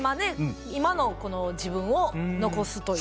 今のこの自分を残すという。